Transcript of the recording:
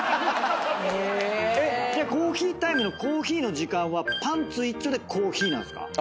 じゃあコーヒータイムのコーヒーの時間はパンツ一丁でコーヒーなんすか？